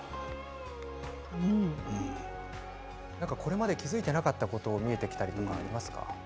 これまで気付いていなかったこと見えてきたりしますか？